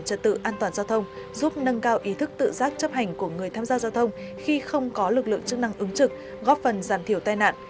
giúp trật tự an toàn giao thông giúp nâng cao ý thức tự giác chấp hành của người tham gia giao thông khi không có lực lượng chức năng ứng trực góp phần giảm thiểu tai nạn